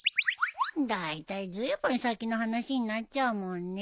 だいたいずいぶん先の話になっちゃうもんね。